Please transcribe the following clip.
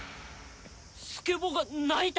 スケボーが鳴いた！？